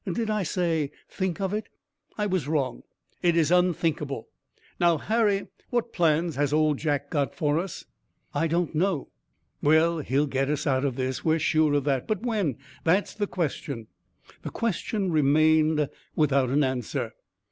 Did I say 'think of it'? I was wrong. It is unthinkable. Now, Harry, what plans has Old Jack got for us?" "I don't know." "Well, he'll get us out of this. We're sure of that. But when? That's the question." The question remained without an answer.